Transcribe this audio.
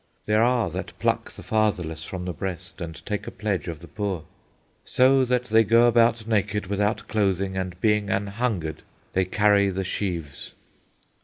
There are that pluck the fatherless from the breast, and take a pledge of the poor. So that they go about naked without clothing, and being an hungered they carry the sheaves.